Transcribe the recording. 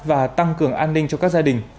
và tăng cường an ninh cho các gia đình